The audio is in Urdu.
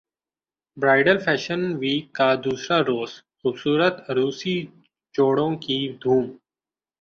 برائڈل فیشن ویک کا دوسرا روز خوبصورت عروسی جوڑوں کی دھوم